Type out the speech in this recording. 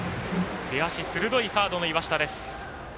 出足鋭い、サードの岩下です。